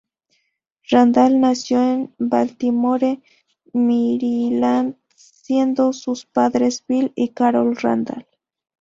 Randall nació en Baltimore, Maryland, siendo sus padres Bill y Carol Randall.